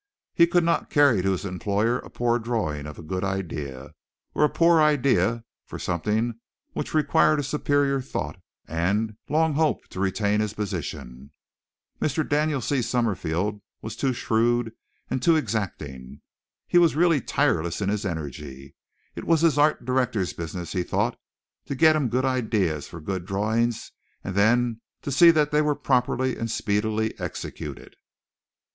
He could not carry to his employer a poor drawing of a good idea, or a poor idea for something which required a superior thought, and long hope to retain his position. Mr. Daniel C. Summerfield was too shrewd and too exacting. He was really tireless in his energy. It was his art director's business, he thought, to get him good ideas for good drawings and then to see that they were properly and speedily executed.